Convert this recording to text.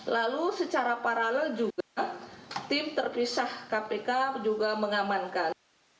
lalu secara paralel juga tim terpisah kpk juga mengamankan